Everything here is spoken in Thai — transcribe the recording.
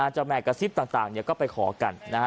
เจ้าแม่กระซิบต่างเนี่ยก็ไปขอกันนะฮะ